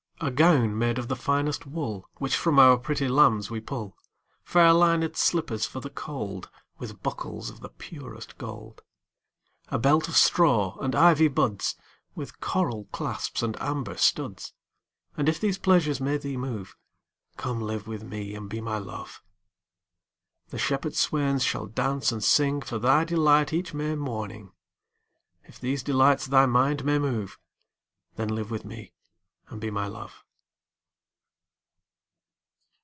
A gown made of the finest wool Which from our pretty lambs we pull; Fair linèd slippers for the cold, 15 With buckles of the purest gold. A belt of straw and ivy buds With coral clasps and amber studs: And if these pleasures may thee move, Come live with me and be my Love. 20 The shepherd swains shall dance and sing For thy delight each May morning: If these delights thy mind may move, Then live with me and be my Love.